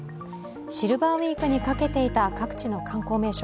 シルバーウイークにかけていた各地の観光名所。